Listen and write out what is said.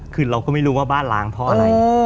คือเราก็ไม่รู้ว่าบ้านล้างเพราะอะไร